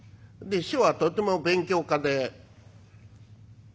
で師匠はとても勉強家で。